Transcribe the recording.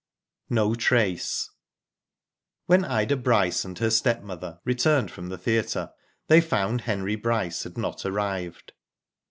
NO TRACE, When Ida Bryce and her stepmother returned from the theatre, they found Henry Bryce had not arrived.